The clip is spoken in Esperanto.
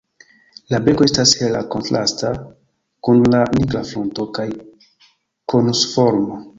La beko estas hela, kontrasta kun la nigra frunto kaj konusforma.